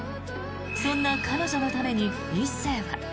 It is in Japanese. そんな彼女のために一星は。